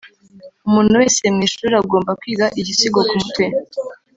umuntu wese mwishuri agomba kwiga igisigo kumutwe